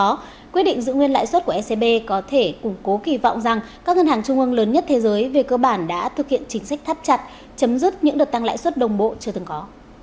trong khi đó quyết định giữ nguyên lại xuất của ecb có thể củng cố kỳ vọng rằng các ngân hàng trung ương lớn nhất thế giới về cơ bản đã thực hiện chính sách thắt chặt chấm dứt những đợt tăng lại xuất đồng bộ chưa từng có